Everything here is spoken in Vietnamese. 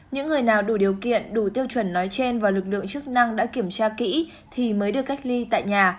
những người nào đủ điều kiện đủ tiêu chuẩn nói trên và lực lượng chức năng đã kiểm tra kỹ thì mới được cách ly tại nhà